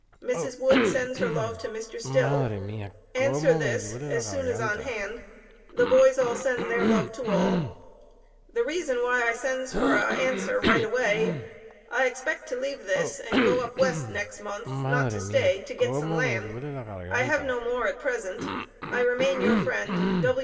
Mrs. Wood sends her love to Mr. Still answer this as soon as on hand, the boys all send their love to all, the reason why i sends for a answer write away i expect to live this and go up west nex mounth not to stay to git some land, i have no more at present, i remain your friend.